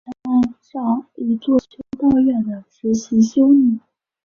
玛莉亚是阿尔卑斯山上一所修道院的实习修女。